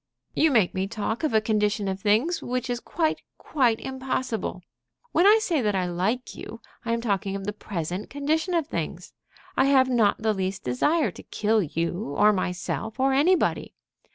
"You make me talk of a condition of things which is quite, quite impossible. When I say that I like you, I am talking of the present condition of things. I have not the least desire to kill you, or myself, or anybody.